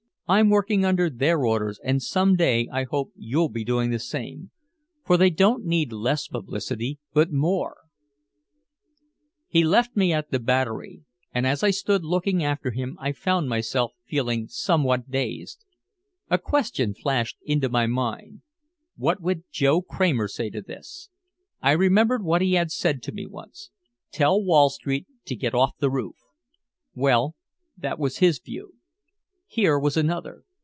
I'm working under their orders and some day I hope you'll be doing the same. For they don't need less publicity but more." He left me at the Battery, and as I stood looking after him I found myself feeling somewhat dazed. A question flashed into my mind. What would Joe Kramer say to this? I remembered what he had said to me once: "Tell Wall Street to get off the roof." Well, that was his view. Here was another.